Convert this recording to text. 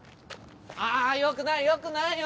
あよくないよくないよ